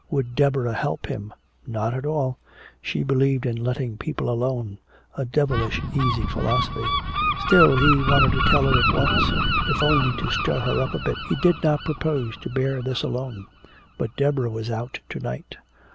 Would Deborah help him? Not at all. She believed in letting people alone a devilish easy philosophy! Still, he wanted to tell her at once, if only to stir her up a bit. He did not propose to bear this alone! But Deborah was out to night.